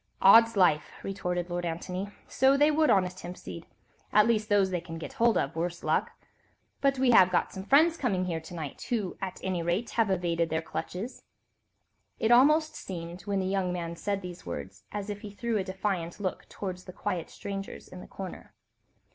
"Odd's life!" retorted Lord Antony; "so they would, honest Hempseed,—at least those they can get hold of, worse luck! But we have got some friends coming here to night, who at any rate have evaded their clutches." It almost seemed, when the young man said these words, as if he threw a defiant look towards the quiet strangers in the corner.